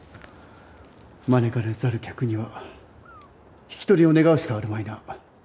招かれざる客には引き取りを願うしかあるまいな。